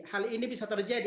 hal ini bisa terjadi